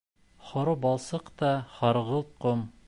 Һоро балсыҡ та һарғылт ҡом.